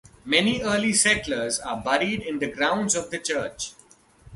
Many early settlers are buried in the grounds of the church.